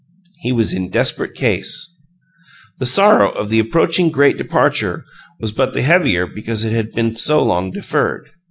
He was in desperate case. The sorrow of the approaching great departure was but the heavier because it had been so long deferred.